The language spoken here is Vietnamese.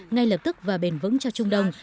ngay lập tức và bền vững cho trung đông